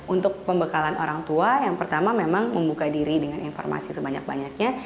untuk pembekalan orang tua yang pertama memang membuka diri dengan informasi sebanyak banyaknya